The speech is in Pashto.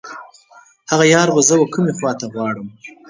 هغه یار به زه و کومې خواته غواړم.